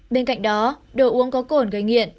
bên cạnh đó đồ uống có côn gây nghiện